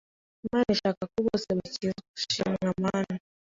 Imana ishaka ko bose bakizwa. Shimwa Mana,